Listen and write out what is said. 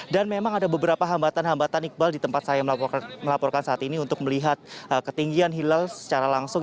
dan memang ada beberapa hambatan hambatan iqbal di tempat saya melaporkan saat ini untuk melihat ketinggian hilal secara langsung